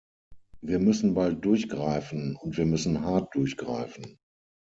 Wir müssen bald durchgreifen, und wir müssen hart durchgreifen.